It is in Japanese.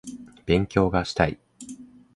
勉強がしたい